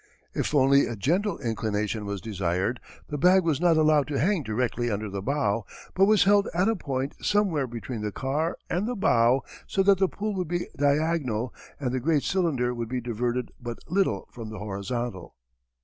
If only a gentle inclination was desired the bag was not allowed to hang directly under the bow, but was held at a point somewhere between the car and the bow so that the pull would be diagonal and the great cylinder would be diverted but little from the horizontal.